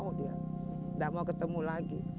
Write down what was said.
tidak mau ketemu lagi